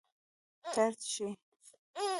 طرد شي.